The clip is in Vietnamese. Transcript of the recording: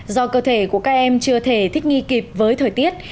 do cơ thể của các em chưa thể thích nghi kịp với thời tiết